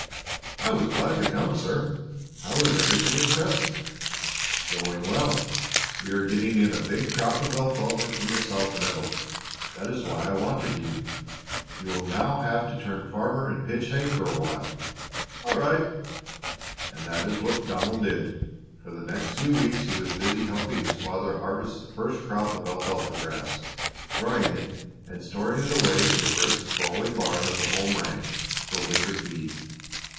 "I was glad to come, sir. How is everything at Crescent?" "Going well. We are getting in a big crop of alfalfa from the south meadow. That is why I wanted you. You will now have to turn farmer and pitch hay for a while." "All right!" And that was what Donald did. For the next few weeks he was busy helping his father harvest the first crop of alfalfa grass, drying it, and storing it away in the great sprawling barn of the home ranch for winter feed.